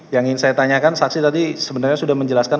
yang ingin saya tanyakan saksi tadi sebenarnya sudah menjelaskan